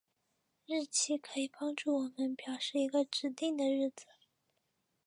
日期可以帮助我们表示一个指定的日子。